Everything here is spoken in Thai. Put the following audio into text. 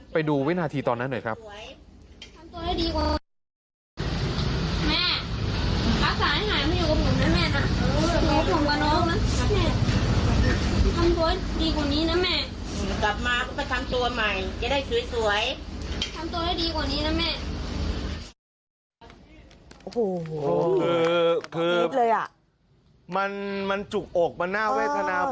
ไปดูวินาทีตอนนั้นหน่อยครับ